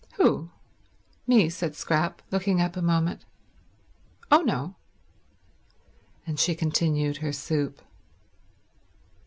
"Who—me?" said Scrap, looking up a moment. "Oh, no." And she continued her soup.